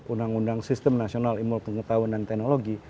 undang undang sistem nasional ilmu pengetahuan dan teknologi